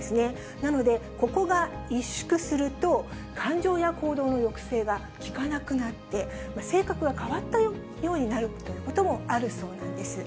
なので、ここが委縮すると、感情や行動の抑制がきかなくなって、性格が変わったようになるということもあるそうなんです。